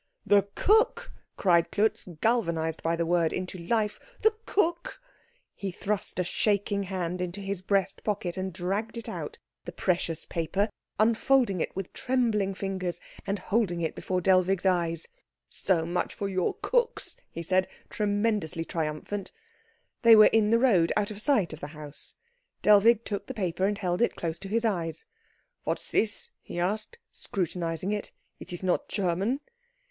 "The cook!" cried Klutz, galvanised by the word into life. "The cook!" He thrust a shaking hand into his breast pocket and dragged it out, the precious paper, unfolding it with trembling fingers, and holding it before Dellwig's eyes. "So much for your cooks," he said, tremulously triumphant. They were in the road, out of sight of the house. Dellwig took the paper and held it close to his eyes. "What's this?" he asked, scrutinising it. "It is not German."